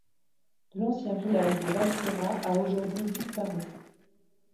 L'ancien village de Vallsera a aujourd'hui disparu.